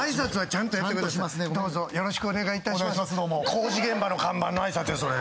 工事現場の看板の挨拶やそれ。